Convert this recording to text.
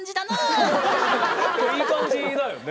いい感じだよね。